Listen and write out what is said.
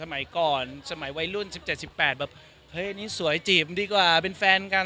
สมัยก่อนสมัยวัยรุ่น๑๗๑๘แบบเฮ้ยนี่สวยจีบดีกว่าเป็นแฟนกัน